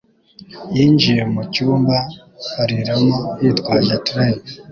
yinjiye mu cyumba bariramo, yitwaje tray.